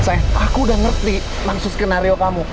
sayang aku udah ngerti langsung skenario kamu